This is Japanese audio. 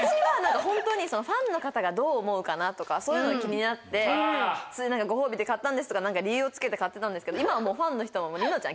ホントに。とかそういうのが気になってご褒美で買ったんですとか理由をつけて買ってたんですけど今はもうファンの人も。